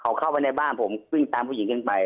เขาเข้าไปในบ้านผมวิ่งตามผู้หญิงขึ้นไป